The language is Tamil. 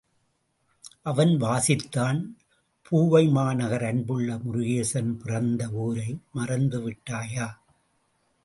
அவன் வாசித்தான் பூவைமாநகர் அன்புள்ள முருகேசன், பிறந்த ஊரை மறந்து விட்டாயா?